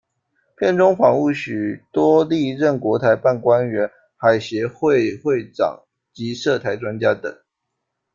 片中访问许多历任国台办官员、海协会会长及涉台专家等。